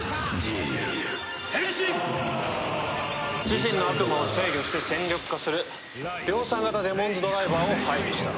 自身の悪魔を制御して戦力化する量産型デモンズドライバーを配備した。